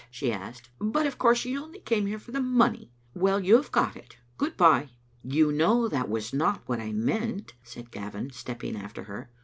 she asked. "But of course you only came here for the money. Well, you have got it. Good bye." "You know that was not what I meant," said Gavin, stepping after her.